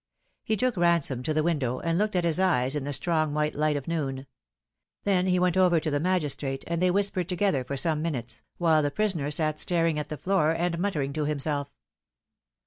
He took Ransome to the window, and looked at his eyes in the strong white light of noon. Then he went over to the magistrate, and they whispered together for some minutes, while the prisoner sat staring at the floor and muttering to him self.